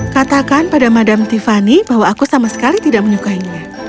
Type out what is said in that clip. katakan pada madam tiffany bahwa aku sama sekali tidak menyukainya